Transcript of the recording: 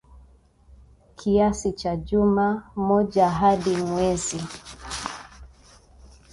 kiasi cha juma moja hadi mwezi